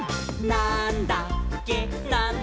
なんだっけ？！」